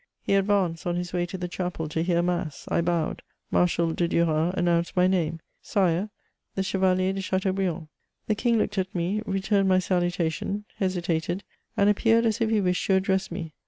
He advanced, on his way to the chapel to hear mass ; I bowed ; Marshal de Duras announced my name, —" Sire, the Chevalier de Cha teaubriand." The king looked at me, returned my saluta tion, hesitated, and appeared as if he wished' to address me.